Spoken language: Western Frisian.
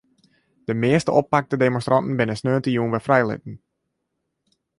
De measte oppakte demonstranten binne sneontejûn wer frijlitten.